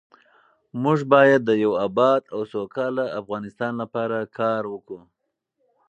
موږ باید د یو اباد او سوکاله افغانستان لپاره کار وکړو.